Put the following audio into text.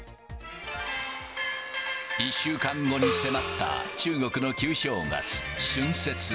１週間後に迫った中国の旧正月、春節。